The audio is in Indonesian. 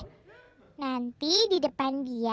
nanti di depan dia